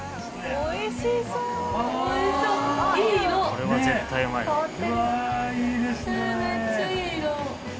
おいしそう。